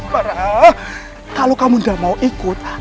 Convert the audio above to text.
per kalau kamu tidak mau ikut